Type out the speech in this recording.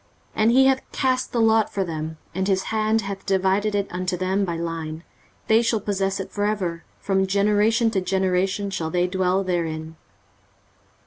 23:034:017 And he hath cast the lot for them, and his hand hath divided it unto them by line: they shall possess it for ever, from generation to generation shall they dwell therein.